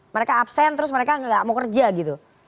mereka absen terus mereka nggak mau kerja gitu